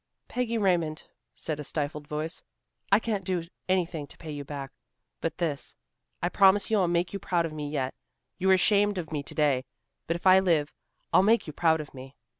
"Peggy Raymond," said a stifled voice, "I can't do anything to pay you back, but this. I promise you I'll make you proud of me yet. You were ashamed of me to day, but if I live, I'll make you proud of me."